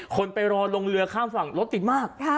คนไปรอลงเรือข้ามฝั่งรถติดมาก